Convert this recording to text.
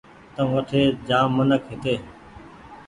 تو وٺي جآم منک هيتي